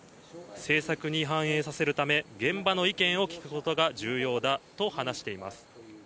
政策に反映させるため、現場の意見を聞くことが重要だと話しています。